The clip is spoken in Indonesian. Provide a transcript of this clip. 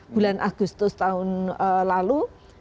bulan agustus tahun lalu